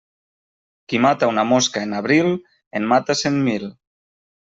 Qui mata una mosca en abril, en mata cent mil.